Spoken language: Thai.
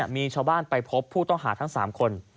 มีชาวบ้านไปพบผู้ต้องหาทั้ง๓คน